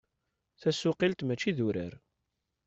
Tasuqilt mačči d urar.